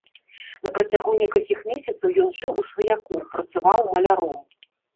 На працягу некалькіх месяцаў ён жыў у сваякоў, працаваў маляром.